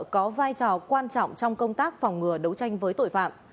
có vai trò quan trọng trong công tác phòng ngừa đấu tranh với tội phạm